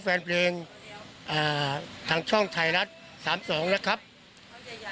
เตรียดร้อนกับทุกคนนะครับผม